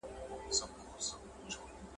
چي ډېري غورېږي، هغه لږ اورېږي.